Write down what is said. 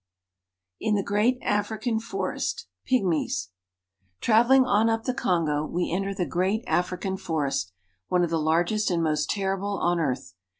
IN THE GREAT AFRICAN FOREST — PYGMIES TRAVELING on up the Kongo, we enter the great African forest, one of the largest and most terrible on earth.